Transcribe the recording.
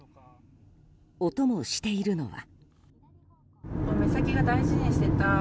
お供しているのは。